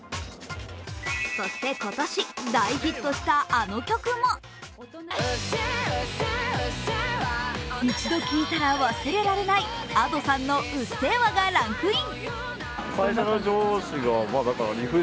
そして今年、大ヒットしたあの曲も一度聴いたら忘れられないＡｄｏさんの「うっせぇわ」がランクイン。